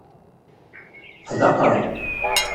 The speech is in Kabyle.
Ḥdaqreɣ.